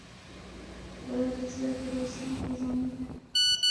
ګلاب د زړه د رازونو خزانې ده.